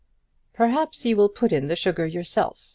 "Perhaps you will put in the sugar yourself.